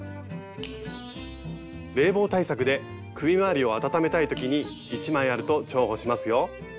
冷房対策で首回りを温めたい時に１枚あると重宝しますよ。